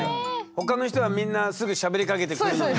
他の人はみんなすぐしゃべりかけてくれるのに。